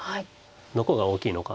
どこが大きいのか。